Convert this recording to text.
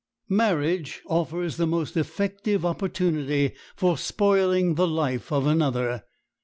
Marriage offers the most effective opportunity for spoiling the life of another.